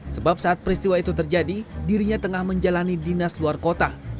sebab saat peristiwa itu terjadi dirinya tengah menjalani dinas luar kota